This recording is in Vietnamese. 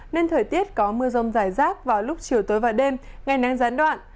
nên thời tiết có mưa rông rải rác vào lúc chiều tối và đêm ngày nắng gián đoạn